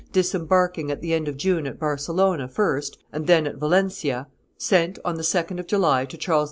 disembarking at the end of June at Barcelona first and then at Valentia, sent, on the 2d of July, to Charles V.